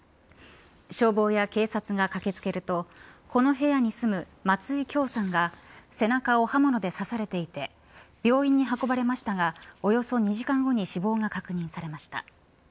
消防や警察が駆けつけるとこの部屋に住む松井響さんが背中を刃物で刺されていて病院に運ばれましたがおよそ２時間後に死亡が確認されました。